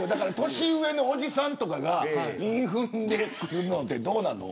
年上のおじさんとかが韻踏んでるのってどうなの。